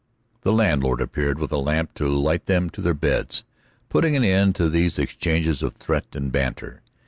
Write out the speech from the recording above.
The landlord appeared with a lamp to light them to their beds, putting an end to these exchanges of threat and banter.